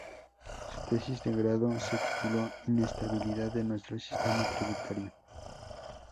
Su tesis de grado se tituló "Inestabilidad de Nuestro Sistema Tributario".